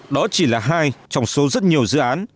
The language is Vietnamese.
đó chỉ là hai trong số rất nhiều dự án